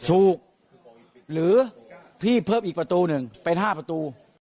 หรือพี่เพิ่มอีกประตูหนึ่งเป็น๕ประตู